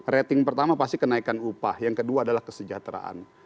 rating pertama pasti kenaikan upah yang kedua adalah kesejahteraan